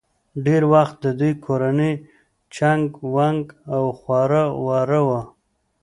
ډېر وخت د دوي کورنۍ چنګ ونګ او خوره وره وه